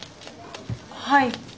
はい。